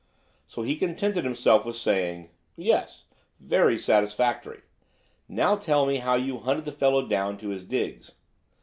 So he contented himself with saying: "Yes, very satisfactory. Now tell me how you hunted the fellow down to his diggings?"